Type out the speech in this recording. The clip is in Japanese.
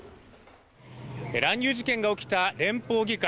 乱入事件が起きた連邦議会。